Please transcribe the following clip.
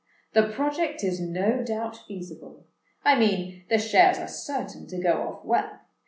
The project is no doubt feasible—I mean, the shares are certain to go off well.